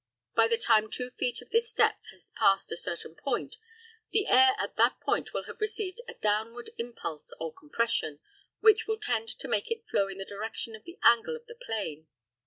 By the time two feet of this depth has passed a certain point, the air at that point will have received a downward impulse or compression which will tend to make it flow in the direction of the angle of the plane.